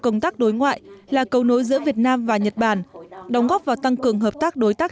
công tác đối ngoại là cầu nối giữa việt nam và nhật bản đóng góp vào tăng cường hợp tác đối tác